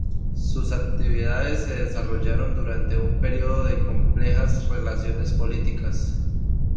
Sus actividades se desarrollaron durante un período de complejas relaciones políticas.